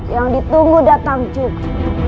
yang ditunggu datang juga